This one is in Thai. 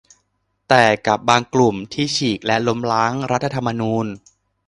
แต่กับบางกลุ่มที่ฉีกและล้มล้างรัฐธรรมนูญ